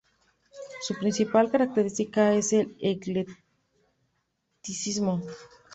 Su principal característica es el eclecticismo.